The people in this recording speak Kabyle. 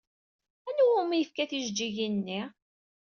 Anwa umi yefka tijeǧǧigin-nni?